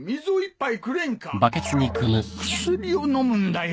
薬を飲むんだよ。